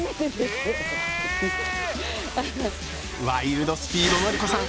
ワイルドスピードのり子さん